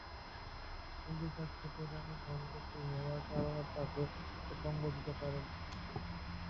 কিন্তু তার ছোট রাণী গর্ভবতী হওয়ার কারণে তাকে সঙ্গ দিতে পারেননি।